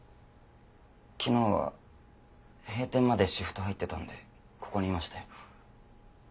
昨日は閉店までシフト入ってたんでここにいましたよ。